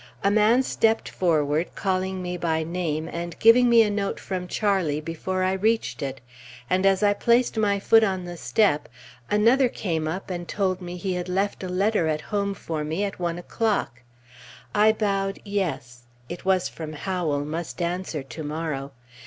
A man stepped forward, calling me by name and giving me a note from Charlie before I reached it; and as I placed my foot on the step, another came up and told me he had left a letter at home for me at one o'clock. I bowed Yes (it was from Howell; must answer to morrow).